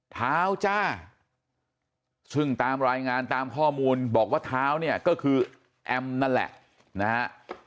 เท้าจ้าซึ่งตามรายงานตามข้อมูลบอกว่าเท้าเนี่ยก็คือแอมนั่นแหละนะฮะ